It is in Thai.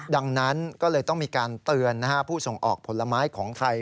ดังนั้นก็เลยต้องมีการเตือนผู้ส่งออกผลไม้ของไทย